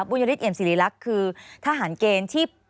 บุญยฤทเอี่ยมสิริรักษ์คือทหารเกณฑ์ที่